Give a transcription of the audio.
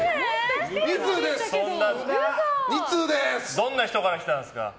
どんな人から来たんですか？